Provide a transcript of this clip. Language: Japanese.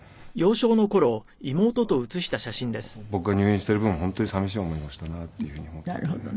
妹は僕が入院している分本当に寂しい思いをしたなっていうふうに思っていて。